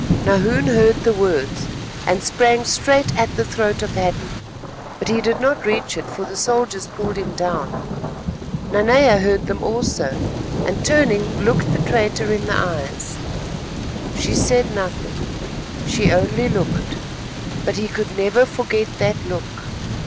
Nahoon heard the words, and sprang straight at the throat of Hadden; but he did not reach it, for the soldiers pulled him down. Nanea heard them also, and turning, looked the traitor in the eyes; she said nothing, she only looked, but he could never forget that look.